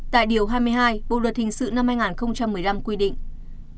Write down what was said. tại điều hai mươi hai bộ luật hình sự năm hai nghìn một mươi năm quy định